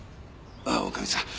ああ女将さん